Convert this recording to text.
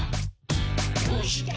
「どうして？